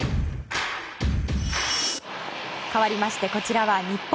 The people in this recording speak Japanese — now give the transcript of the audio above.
かわりましてこちらは日本。